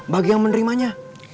bagi yang menerimanya